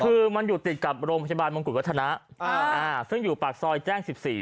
คือมันอยู่ติดกับโรงพยาบาลมงกุฎวัฒนะซึ่งอยู่ปากซอยแจ้ง๑๔